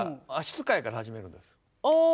あ。